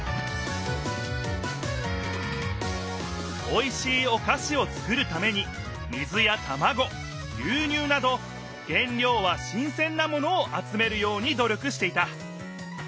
おいしいおかしをつくるために水やたまご牛乳など原料は新せんなものを集めるように努力していた。